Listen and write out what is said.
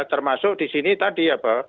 termasuk disini tadi